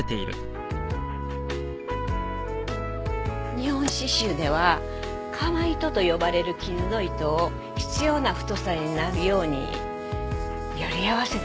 日本刺繍では釜糸と呼ばれる絹の糸を必要な太さになるようにより合わせてから使う。